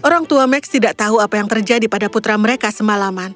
orang tua max tidak tahu apa yang terjadi pada putra mereka semalaman